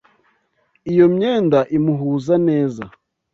Iyo myenda imuhuza neza.